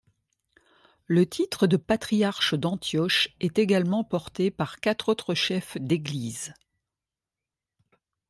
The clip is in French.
Le titre de patriarche d'Antioche est également porté par quatre autres chefs d'Église.